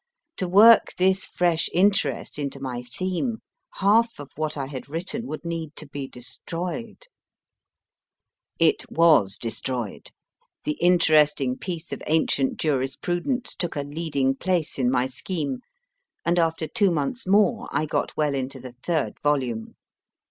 To work this fresh interest into my theme, half of what I had written would need to be destroyed ! It was destroyed, the interesting piece of ancient juris prudence took a leading place in my scheme, and after two months more I got well into the third volume.